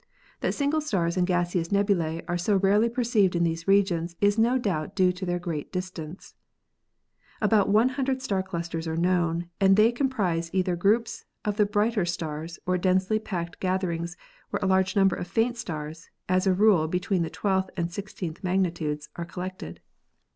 That single stars and gaseous nebulae are so rarely perceived in these regions is no doubt due to their great distance." About 100 star clusters are known, and they comprize either groups of the brighter stars or densely packed gath erings where a large number of faint stars, as a rule be tween the twelfth and sixteenth magnitudes, are collected.